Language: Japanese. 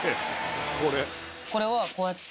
これはこうやって。